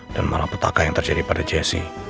dan malah petaka yang terjadi pada jesse